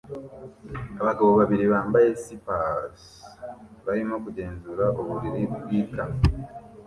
Abagabo babiri bambaye spurs barimo kugenzura uburiri bwikamyo